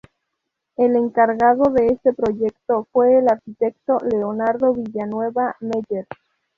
El encargado de este proyecto fue el arquitecto Leonardo Villanueva Meyer.